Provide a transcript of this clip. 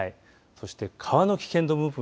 そして川の危険度分布